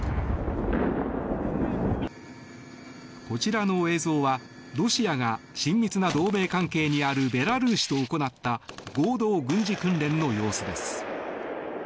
こちらの映像はロシアが親密な同盟関係にあるベラルーシと行った合同軍事訓練の様子です。